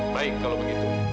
baik kalau begitu